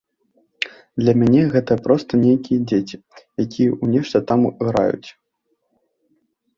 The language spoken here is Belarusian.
Для мяне гэта проста нейкія дзеці, якія ў нешта там граюць.